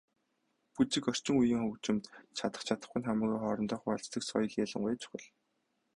Бүжиг, орчин үеийн хөгжимд чадах чадахгүй нь хамаагүй хоорондоо хуваалцдаг соёл ялангуяа чухал.